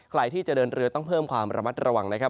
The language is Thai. ใครที่จะเดินเรือต้องเพิ่มความระมัดระวังนะครับ